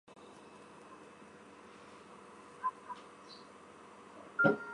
净资产收益率是衡量股东资金使用效率的重要财务指标。